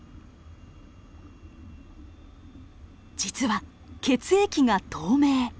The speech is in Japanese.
実は血液が透明。